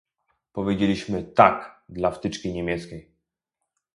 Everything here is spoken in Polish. Powiedzieliśmy "tak" dla wtyczki niemieckiej